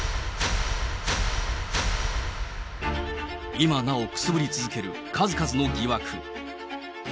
今なおくすぶり続ける数々の疑惑。